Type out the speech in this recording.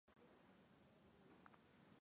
kutoka studio zake mjini Washington